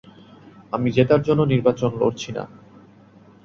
আমি জেতার জন্য নির্বাচন লড়ছি না।